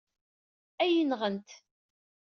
Ad iyi-nɣent!